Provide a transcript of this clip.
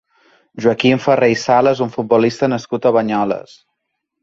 Joaquim Ferrer i Sala és un futbolista nascut a Banyoles.